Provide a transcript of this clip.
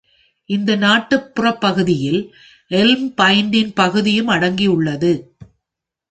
இந்த நாட்டுப்புறப்பகுதியில் எல்ம் பாயிண்டின் பகுதியும் அடங்கியுள்ளது.